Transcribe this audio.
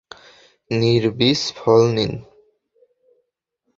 নির্বীজ ফল নিন!